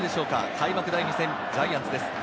開幕第２戦ジャイアンツです。